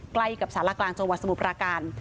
ใกล้กับสารกลางจวัสสมุปราการ